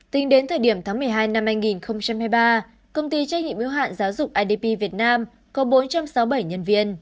tính đến thời điểm tháng một mươi hai năm hai nghìn hai mươi ba công ty trách nhiệm yếu hạn giáo dục idp việt nam có bốn trăm sáu mươi bảy nhân viên